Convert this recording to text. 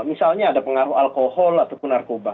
misalnya ada pengaruh alkohol ataupun narkoba